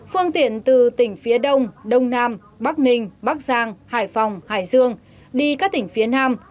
phương tiện từ tỉnh phía đông đông nam bắc ninh bắc giang hải phòng hải dương đi các tỉnh phía nam